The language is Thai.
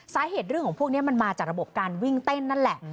สาเหตุเรื่องของพวกนี้มันมาจากระบบการวิ่งเต้นนั่นแหละ